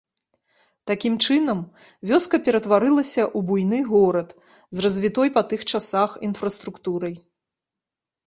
Такім чынам, вёска ператварылася ў буйны горад, з развітой па тых часах інфраструктурай.